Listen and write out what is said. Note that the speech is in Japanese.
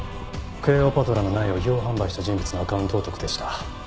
クレオパトラの苗を違法販売した人物のアカウントを特定した。